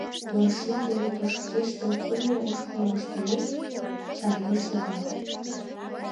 Йолшӱм дене тошкештын, кумло ошкылым ыштымек, чарнен шогале.